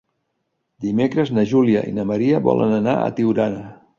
Dimecres na Júlia i na Maria volen anar a Tiurana.